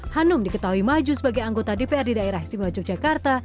hanum diketahui maju sebagai anggota dprd daerah istimewa yogyakarta